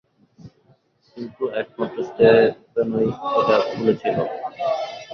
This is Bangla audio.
কিন্তু একমাত্র স্টিফেনই এটা খুলেছিল।